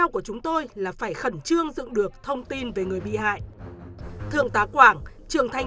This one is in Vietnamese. của chúng tôi là phải khẩn trương dựng được thông tin về người bị hại thượng tá quảng trường thanh